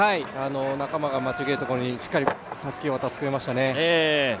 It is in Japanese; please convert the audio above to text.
仲間が待ち受けるところに、しっかりたすきを渡してくれましたね。